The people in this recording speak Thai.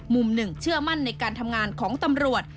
มุมหนึ่งเชื่อมั่นในการทำงานของตำรวจ